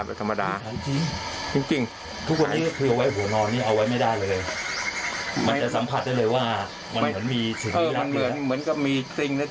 จะสัมผัสได้เลยเกือบคู่ว่ามันเหมือนสิ้นที่มีนางเพลง